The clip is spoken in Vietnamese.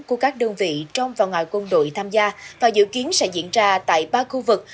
của các đơn vị trong và ngoài quân đội tham gia và dự kiến sẽ diễn ra tại ba khu vực